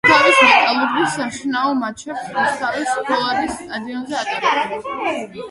რუსთავის „მეტალურგი“ საშინაო მატჩებს რუსთავის ფოლადის სტადიონზე ატარებს.